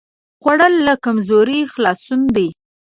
خوړل له کمزورۍ خلاصون دی